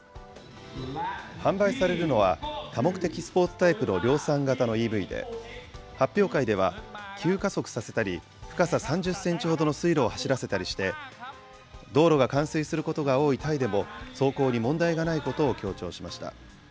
販売されるのは、多目的スポーツタイプの量産型のＥＶで、発表会では、急加速させたり、深さ３０センチほどの水路を走らせたりして、道路が冠水することが多いタイでも、走行に問題がないことを強調しました。